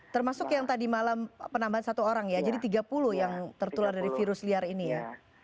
termasuk yang tadi malam penambahan satu orang ya jadi tiga puluh yang tertular dari virus liar ini ya